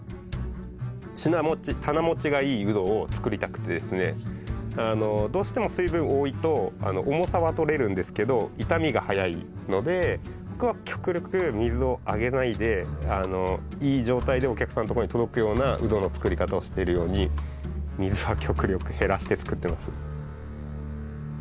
品もち棚もちがいいウドを作りたくてですねどうしても水分多いと重さはとれるんですけど傷みが早いので僕は極力水をあげないでいい状態でお客さんのとこに届くようなウドの作り方をしてるように水は極力減らして作ってます。